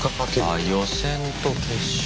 あっ予選と決勝。